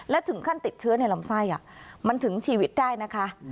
และถึงขั้นติดเชื้อในลำไส้มันถึงชีวิตได้นะคะ